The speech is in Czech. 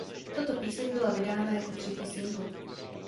Tato píseň byla vydána jako třetí singl.